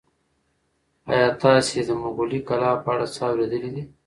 ایا تاسي د مغولي کلا په اړه څه اورېدلي دي؟